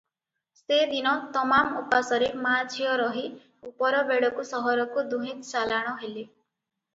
ସେ ଦିନତମାମ ଉପାସରେ ମା'ଝିଅ ରହି ଉପର ବେଳକୁ ସହରକୁ ଦୁହେଁ ଚାଲାଣ ହେଲେ ।